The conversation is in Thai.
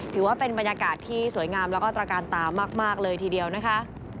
ถือว่าเป็นบรรยากาศที่สวยงามแล้วก็ตระการตามากเลยทีเดียวนะคะ